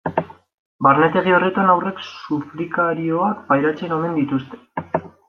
Barnetegi horretan haurrek sufrikarioak pairatzen omen dituzte.